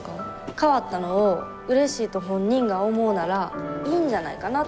変わったのをうれしいと本人が思うならいいんじゃないかな。